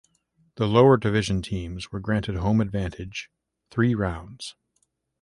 The lower division teams were granted home advantage three rounds.